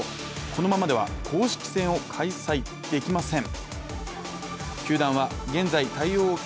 このままでは公式戦を開催できません。